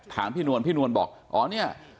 ถามพี่นวลพี่นวลบอกอ๋อเนี่ย